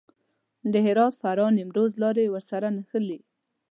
د هرات، فراه، نیمروز لارې ورسره نښلي.